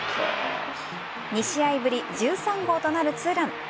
２試合ぶり１３号となる２ラン。